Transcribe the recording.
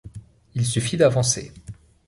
Il suffit d’avancer.